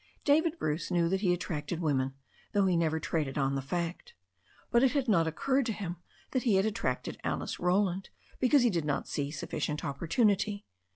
David Bruce knew that he attracted women, though he never traded on the fact. But it had not occurred to him that he had attracted Alice Roland, because he did not see suflBcient opportunity.